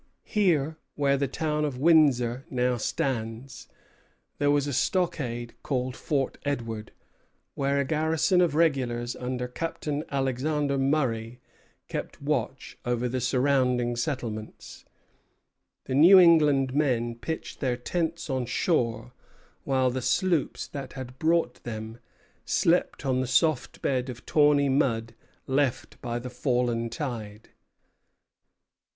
Here, where the town of Windsor now stands, there was a stockade called Fort Edward, where a garrison of regulars under Captain Alexander Murray kept watch over the surrounding settlements. The New England men pitched their tents on shore, while the sloops that had brought them slept on the soft bed of tawny mud left by the fallen tide.